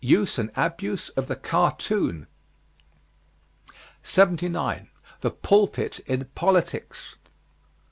USE AND ABUSE OF THE CARTOON. 79. THE PULPIT IN POLITICS.